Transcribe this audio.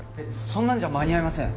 そんなんじゃ間に合いません。